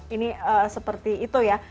ini seperti itu ya